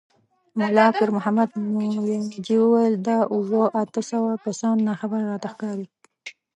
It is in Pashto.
ملا پيرمحمد مياجي وويل: دا اووه، اته سوه کسان ناخبره راته ښکاري.